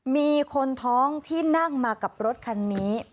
มีคนท้องที่นั่งมากับรถคันนี้